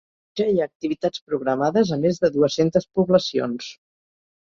Ja hi ha activitats programades a més de dues-centes poblacions.